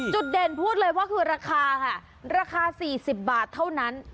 จุดเด่นพูดเลยว่าคือราคาค่ะราคา๔๐บาทเท่านั้น